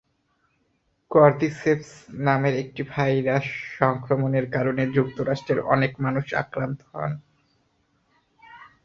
Cordyceps নামের একটি virus সংক্রমণের কারণে যুক্তরাষ্ট্রের অনেক মানুষ আক্রান্ত হয়।